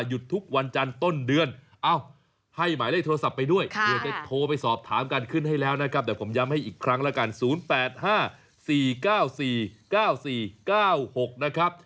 หยุดทุกวันจันทร์ต้นเดือนเอ้าให้หมายเลขโทรศัพท์ไปด้วยเดี๋ยวจะโทรไปสอบถามกันขึ้นให้แล้วนะครับเดี๋ยวผมย้ำให้อีกครั้งแล้วกัน๐๘๕๔๙๔๙๔๙๖นะครับ